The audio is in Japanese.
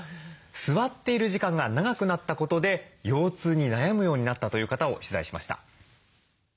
座っている時間が長くなったことで腰痛に悩むようになったという方を取材しました。